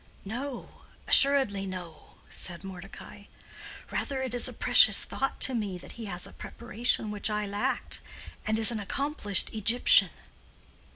"No, assuredly no," said Mordecai. "Rather it is a precious thought to me that he has a preparation which I lacked, and is an accomplished Egyptian."